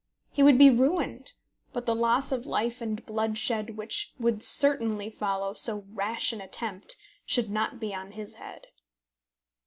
He would be ruined; but the loss of life and bloodshed which would certainly follow so rash an attempt should not be on his head."